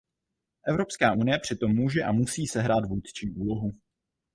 Evropská unie při tom může a musí sehrát vůdčí úlohu.